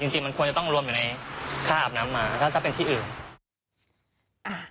จริงมันควรจะต้องรวมอยู่ในค่าอาบน้ำมาถ้าเป็นที่อื่น